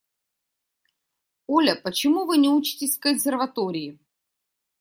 Оля, почему вы не учитесь в консерватории?